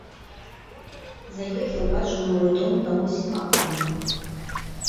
За ёй я ўбачыў новы дом на восем акон.